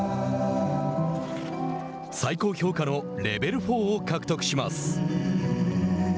最高評価のレベル４を獲得します。